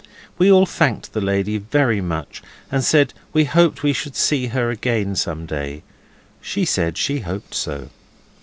We all thanked the lady very much, and said we hoped we should see her again some day. She said she hoped so.